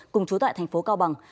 cùng trú tại tp cao bằng